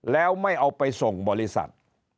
แล้วไม่เอาไปส่งบริษัท